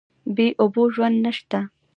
بې اوبو ژوند نشته.